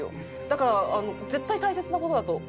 だから絶対大切な事だと思う。